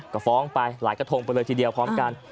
ก็ฟ้องไปหลายกระทงไปเลยทีเดียวพร้อมกัน